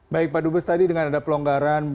baik pak dubes tadi dengan ada pelonggaran